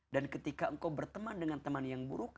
dan ketika engkau berteman dengan teman yang buruk